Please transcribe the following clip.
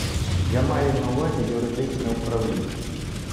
Я маю на увазі юридичне управління.